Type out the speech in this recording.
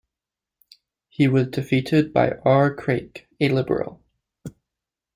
He was defeated by R. Craik, a Liberal.